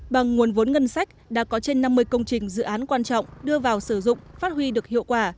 bằng nguồn vốn ngân sách đã có trên năm mươi công trình dự án quan trọng đưa vào sử dụng phát huy được hiệu quả